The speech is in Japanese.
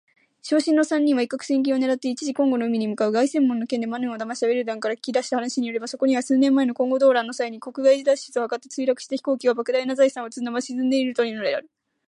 傷心の三人は一攫千金を狙って一路コンゴの海に向かう。凱旋門の件でマヌーを騙したヴェルタンから訊きだした話によれば、そこには数年前のコンゴ動乱の際に国外脱出を図って墜落した飛行機が、莫大な財宝を積んだまま沈んでいるというのである。